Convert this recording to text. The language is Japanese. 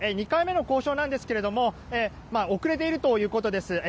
２回目の交渉なんですけど遅れているということです。